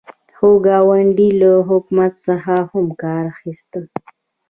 خو ګاندي له حکمت څخه هم کار اخیست.